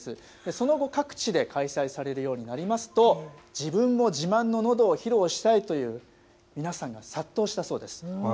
その後、各地で開催されるようになりますと、自分も自慢ののどを披露したいという皆さんが殺到したそうです。